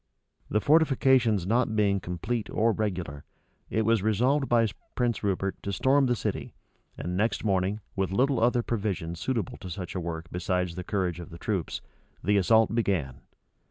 The fortifications not being complete or regular, it was resolved by Prince Rupert to storm the city, and next morning, with little other provisions suitable to such a work besides the courage of the troops, the assault began.